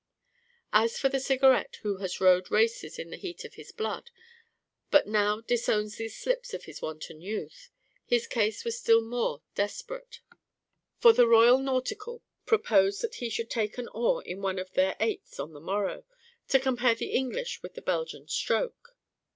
As for the Cigarette, who has rowed races in the heat of his blood, but now disowns these slips of his wanton youth, his case was still more desperate; for the Royal Nautical proposed that he should take an oar in one of their eights on the morrow, to compare the English with the Belgian stroke.